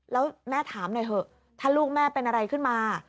แล้วแม่ถามหน่อยเถอะถ้าลูกแม่เป็นอะไรขึ้นมา